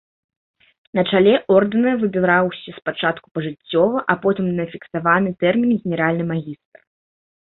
На чале ордэна выбіраўся спачатку пажыццёва, а потым на фіксаваны тэрмін генеральны магістр.